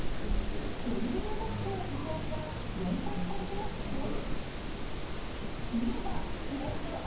女流文学賞を受賞した連作短編集です。